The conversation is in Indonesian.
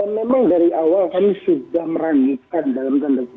memang dari awal kami sudah meragukan dalam tanda kutip